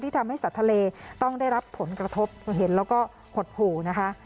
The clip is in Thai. ทำให้สัตว์ทะเลต้องได้รับผลกระทบเห็นแล้วก็หดหู่นะคะ